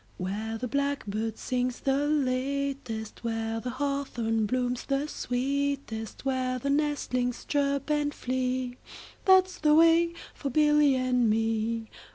Where the blackbird sings the latest, 5 Where the hawthorn blooms the sweetest, Where the nestlings chirp and flee, That 's the way for Billy and me.